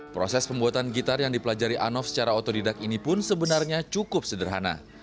proses pembuatan gitar yang dipelajari anof secara otodidak ini pun sebenarnya cukup sederhana